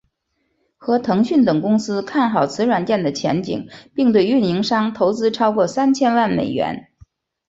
和腾讯等公司看好此软件的前景并对运营商投资超过三千万美元。